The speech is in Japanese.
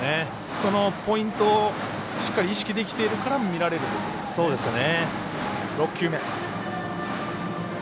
ポイントをしっかり意識しているから見られるということですね。